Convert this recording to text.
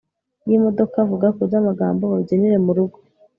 yimodoka vuga kubyamagambo ubabyinire murugo –